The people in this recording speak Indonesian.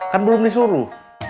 kan belum disuruh